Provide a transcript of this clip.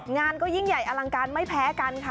งานก็ยิ่งใหญ่อลังการไม่แพ้กันค่ะ